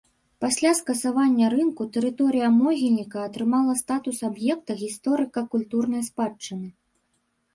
Пасля скасавання рынку тэрыторыя могільніка атрымала статус аб'екта гісторыка-культурнай спадчыны.